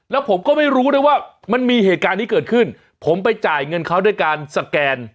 แล้วผมก็ไม่รู้ด้วยว่ามันมีเหตุการณ์นี้เกิดขึ้นผมไปจ่ายเงินเขาด้วยการสแกน